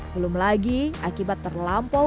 belum lagi akibat terlampau